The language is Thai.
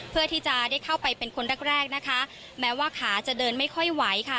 เพื่อที่จะได้เข้าไปเป็นคนแรกแรกนะคะแม้ว่าขาจะเดินไม่ค่อยไหวค่ะ